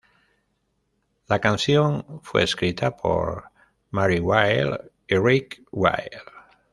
La canción fue escrita por Marty Wilde y Ricki Wilde.